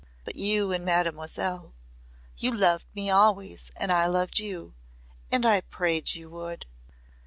But you and Mademoiselle. You loved me always and I loved you. And I prayed you would."